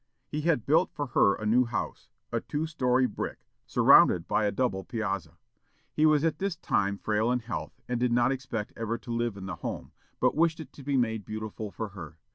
He had built for her a new house, a two story brick, surrounded by a double piazza. He was at this time frail in health, and did not expect ever to live in the home, but wished it to be made beautiful for her.